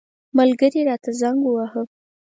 ملګري راته زنګ وواهه.